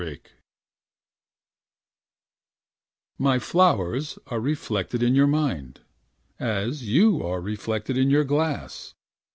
b3297635 My flowers are reflected In your mind As you are reflected in your glass.